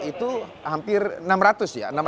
itu hampir enam ratus ya